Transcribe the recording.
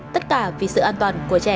tất cả vì sự an toàn của trẻ